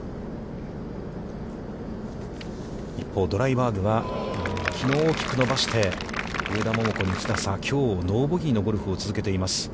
一方、ドライバーグは、きのう大きく伸ばして、上田桃子にきょうノーボギーのゴルフを続けています。